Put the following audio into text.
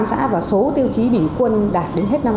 tám xã và số tiêu chí bình quân đạt đến hết năm hai nghìn một mươi bảy